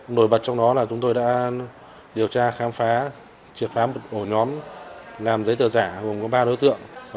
nổi bật trong đó là chúng tôi đã điều tra khám phá triệt phá một ổ nhóm làm giấy tờ giả gồm có ba đối tượng